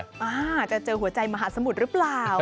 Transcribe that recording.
อ้าวจะเจอหัวใจมหาสมุดรึเปล่า